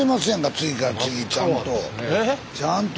次から次にちゃんと。